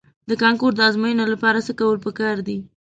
د کانکور د ازموینې لپاره څه کول په کار دي؟